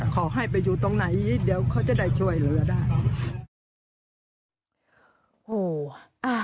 ขอให้ไปอยู่ตรงไหนเดี๋ยวเขาจะได้ช่วยเหลือได้